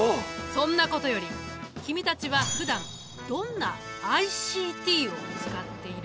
そんなことより君たちはふだんどんなＩＣＴを使っている？